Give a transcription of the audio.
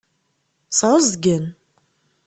Sɛuẓẓgen.